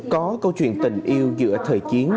có câu chuyện tình yêu giữa thời chiến